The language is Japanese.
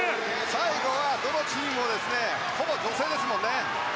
最後はどのチームもほぼ女性ですもんね。